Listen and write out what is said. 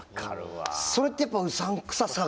それってやっぱうさんくささが。